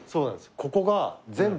ここが。